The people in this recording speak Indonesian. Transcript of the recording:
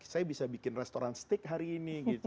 saya bisa bikin restoran steak hari ini gitu